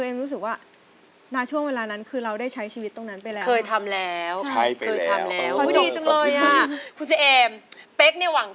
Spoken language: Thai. นั่นช่วงเวลานั้นเรารู้ว่าเราเคยใช้ชีวิตตรงนั้นไปแล้ว